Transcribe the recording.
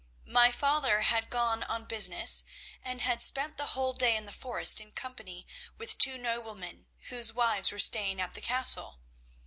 My father had gone on business, and had spent the whole day in the forest in company with two noblemen whose wives were staying at the castle.